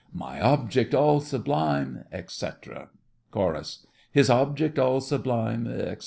My object all sublime, etc. CHORUS. His object all sublime, etc.